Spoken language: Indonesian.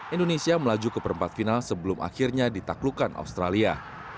indonesia melaju ke perempat final sebelum akhirnya ditaklukkan australia